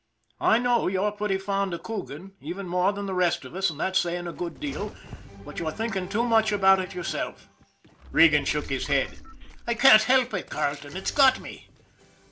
I know you're pretty fond of Coogan, even more than the rest of us and that's saying a good deal, but you're thinking too much about it yourself." Regan shook his head. " I can't help it, Carleton. It's got me.